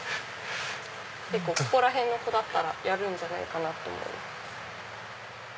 ここらへんの子だったらやるんじゃないかなと思います。